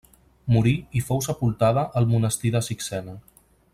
Morí i fou sepultada al monestir de Sixena.